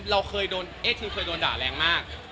เราเคยโดนเอสทิวเคยโดนด่าแรงมาก